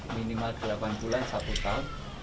minimal delapan bulan satu tahun